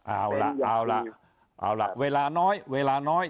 เอาละเอาละเวลาน้อย